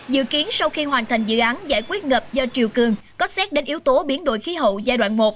dự kiến sau khi hoàn thành dự án giải quyết ngập do triều cường có xét đến yếu tố biến đổi khí hậu giai đoạn một